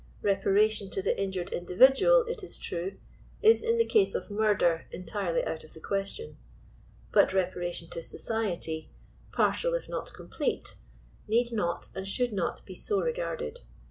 Reparation to the in jured individual, it is true, is in the case of murder entirely out of the question ; but reparation to society, — partial if not com plete, — need not and should not be so regarded.